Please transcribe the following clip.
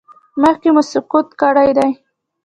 مخکې مو سقط کړی دی؟